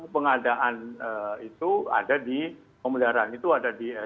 pengadaan itu ada di pemeliharaan itu ada di